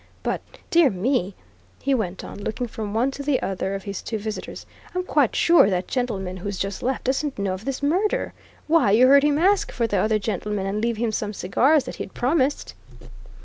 But dear me," he went on, looking from one to the other of his two visitors, "I'm quite sure that gentleman who's just left doesn't know of this murder! Why, you heard him ask for the other gentleman, and leave him some cigars that he'd promised!"